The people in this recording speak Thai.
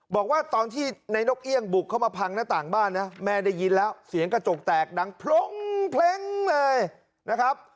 บอกว่าตอนที่ในนกเอี่ยงบุกเข้ามาพังหน้าต่างบ้านนะแม่ได้ยินแล้วเสียงกระจกแตกดังพรงเพล้งเลยนะครับ